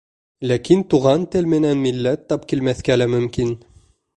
Ләкин туған тел менән милләт тап килмәҫкә лә мөмкин.